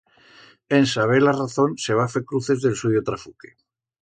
En saber la razón se va fer cruces d'el suyo trafuque.